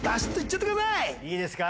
いいですか？